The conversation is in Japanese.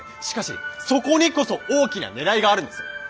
しかしそこにこそ大きなねらいがあるんです！